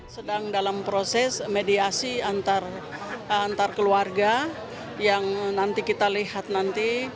sedang dalam proses mediasi antar keluarga yang nanti kita lihat nanti